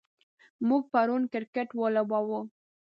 موږ پرون کرکټ ولوباوه.